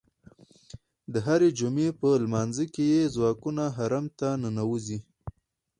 د هرې جمعې په لمانځه کې یې ځواکونه حرم ته ننوځي.